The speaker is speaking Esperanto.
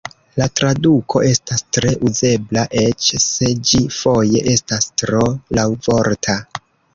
La traduko estas tre uzebla, eĉ se ĝi foje estas tro laŭvorta.